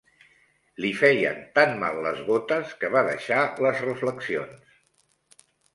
Li feien tan mal les botes que va deixar les reflexions